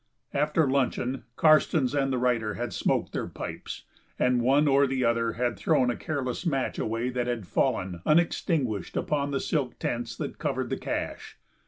After luncheon Karstens and the writer had smoked their pipes, and one or the other had thrown a careless match away that had fallen unextinguished upon the silk tents that covered the cache.